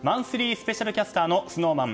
スペシャルキャスターのＳｎｏｗＭａｎ